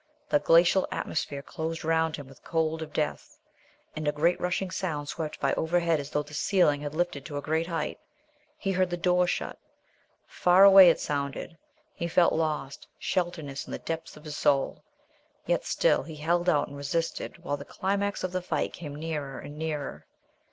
The glacial atmosphere closed round him with the cold of death, and a great rushing sound swept by overhead as though the ceiling had lifted to a great height. He heard the door shut. Far away it sounded. He felt lost, shelterless in the depths of his soul. Yet still he held out and resisted while the climax of the fight came nearer and nearer....